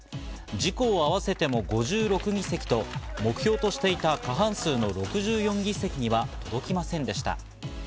自公を合わせても５６議席と目標としていた過半数の６４議席には届きませんでした。